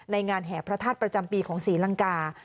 งานแห่พระธาตุประจำปีของศรีลังกา